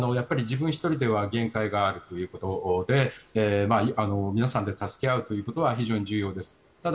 自分１人では限界があるということで皆さんで助け合うことは非常に重要です。